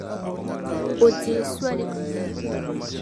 O deei soli.